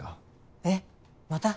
えっまた？